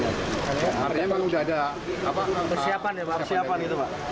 artinya memang sudah ada persiapan ya pak